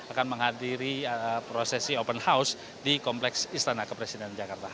akan menghadiri prosesi open house di kompleks istana kepresidenan jakarta